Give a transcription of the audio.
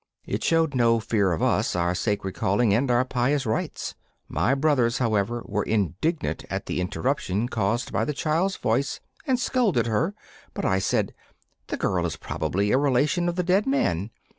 It showed no fear of us, our sacred calling and our pious rites. My brothers, however, were indignant at the interruption caused by the child's voice, and scolded her. But I said: 'The girl is probably a relation of the dead man.